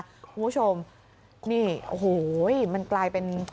คุณผู้ชมนี่โอ้โหมันกลายเป็น